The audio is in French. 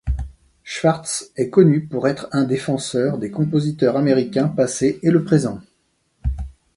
Schwarz est connu pour être un défenseur des compositeurs américains passés et le présents.